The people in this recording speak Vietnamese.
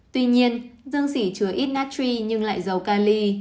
tuy nhiên dương xỉ chứa ít natri nhưng lại giàu cali